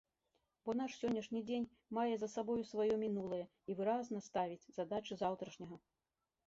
Бо наш сённяшні дзень мае за сабою сваё мінулае і выразна ставіць задачы заўтрашняга.